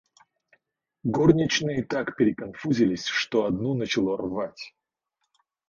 Горничные так переконфузились, что одну начало рвать.